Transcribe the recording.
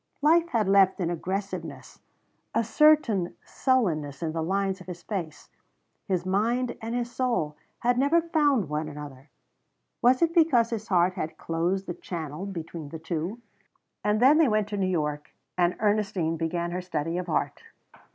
Life had left an aggressiveness, a certain sullenness in the lines of his face. His mind and his soul had never found one another was it because his heart had closed the channel between the two? And then they went to New York and Ernestine began her study of art.